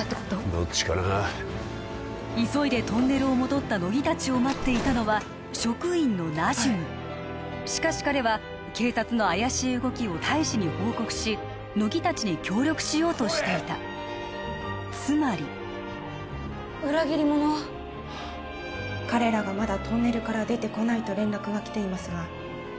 どっちかな急いでトンネルを戻った乃木達を待っていたのは職員のナジュムしかし彼は警察の怪しい動きを大使に報告し乃木達に協力しようとしていたつまり裏切り者はもうしばらくすると出てきますよ